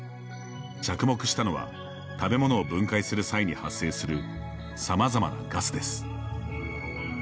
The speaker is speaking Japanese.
着目したのは食べ物を分解する際に発生するさまざまなガスです。